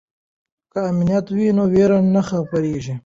که امنیت وي نو ویره نه خپریږي.